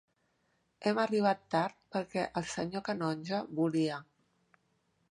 Hem arribat tard perquè el senyor canonge volia...